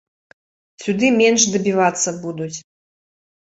Сюды менш дабівацца будуць.